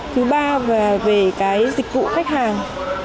thứ ba là về cái dịch vụ khách hàng